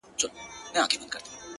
هغه چي ماته يې په سرو وینو غزل ليکله ـ